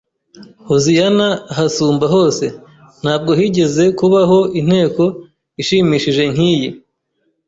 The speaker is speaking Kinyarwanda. Hoziyana ahasumba hose!» Ntabwo higeze kubaho inteko ishimishije nk'iyi.